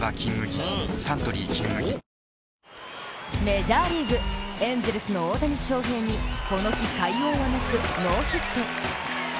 メジャーリーグ、エンゼルスの大谷翔平にこの日、快音はなくノーヒット。